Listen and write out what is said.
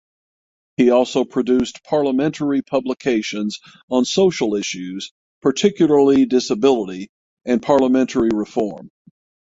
He also produced parliamentary publications on social issues (particularly disability) and parliamentary reform.